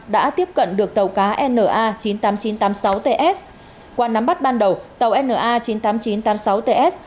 đã tiếp cận được tàu cá na chín mươi tám nghìn chín trăm tám mươi sáu ts qua nắm bắt ban đầu tàu na chín mươi tám nghìn chín trăm tám mươi sáu ts